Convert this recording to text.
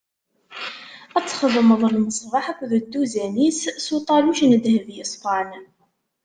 Ad txedmeḍ lmeṣbaḥ akked dduzan-is s uṭaluc n ddheb yeṣfan.